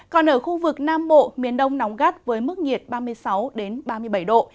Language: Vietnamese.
còn ở khu vực nam bộ miền đông nóng gắt với mức nhiệt ba mươi sáu ba mươi bảy độ